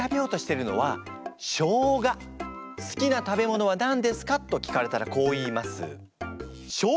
やっぱり「好きな食べ物は何ですか？」と聞かれたらこう言います。